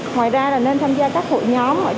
ngoài ra là nên tham gia các hội nhóm ở trên facebook